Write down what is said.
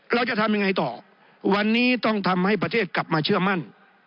เราจะทำยังไงต่อวันนี้ต้องทำให้ประเทศกลับมาเชื่อมั่น